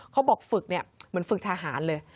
เขาบอกฝึกเหมือนฝึกทหารเลย